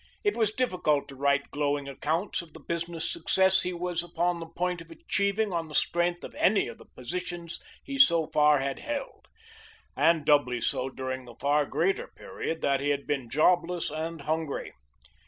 It was difficult to write glowing accounts of the business success he was upon the point of achieving on the strength of any of the positions he so far had held, and doubly so during the far greater period that he had been jobless and hungry.